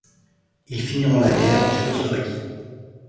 Ils finiront la guerre en Tchécoslovaquie.